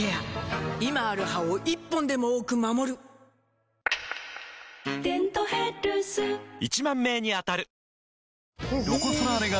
今ある歯を１本でも多く守る「デントヘルス」１０，０００名に当たる！